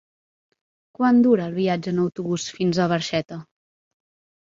Quant dura el viatge en autobús fins a Barxeta?